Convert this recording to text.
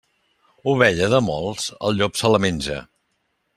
Ovella de molts, el llop se la menja.